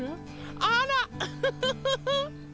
あらウフフフフ！